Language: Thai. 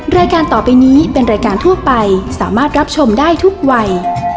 รายการต่อไปนี้เป็นรายการทั่วไปสามารถรับชมได้ทุกวัย